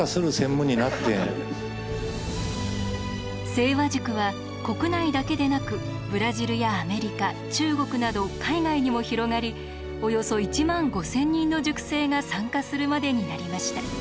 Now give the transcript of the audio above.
盛和塾は国内だけでなくブラジルやアメリカ中国など海外にも広がりおよそ１万５，０００人の塾生が参加するまでになりました。